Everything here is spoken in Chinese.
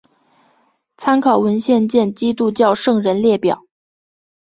参考文献见基督教圣人列表。